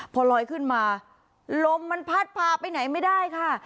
พอลอยขึ้นมาลมมันพัดพาไปไหนไม่ได้ค่ะ